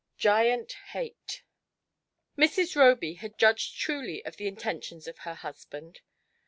GIANT HATE. LIS. ROBY had judged truly of the intentions of her husband.